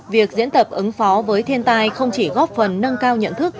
việc diễn tập ứng phó với thiên tai không chỉ góp phần nâng cao nhận thức